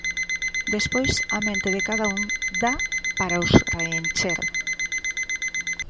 Despois a mente de cada un dá para os reencher.